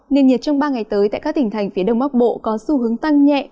nền nhiệt trong ba ngày tới tại các tỉnh thành phía đông bắc bộ có xu hướng tăng nhẹ